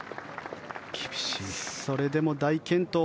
それでも大健闘。